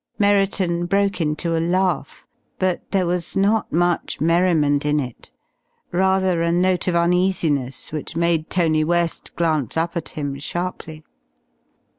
Merriton broke into a laugh. But there was not much merriment in it, rather a note of uneasiness which made Tony West glance up at him sharply.